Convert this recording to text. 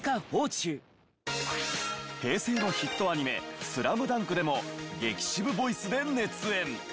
平成のヒットアニメ『スラムダンク』でも激渋ボイスで熱演。